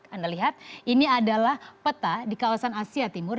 anda lihat ini adalah peta di kawasan asia timur